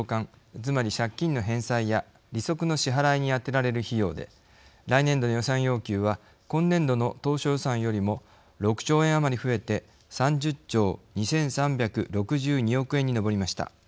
つまり借金の返済や利息の支払いに充てられる費用で来年度の予算要求は今年度の当初予算よりも６兆円余り増えて３０兆２３６２億円に上りました。